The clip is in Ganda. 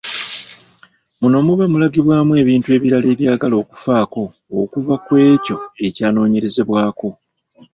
Muno muba mulagibwamu ebintu ebirala ebyagala okufaako okuva ku ekyo ekyanoonyerezebwako.